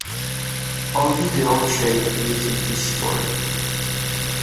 Only the old sheikh believes in his story.